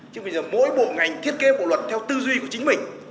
chứ bây giờ mỗi bộ ngành thiết kế bộ luật theo tư duy của chính mình